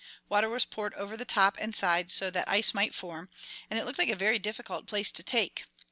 Water was poured over the top and sides so that ice might form, and it looked like a very difficult place to take.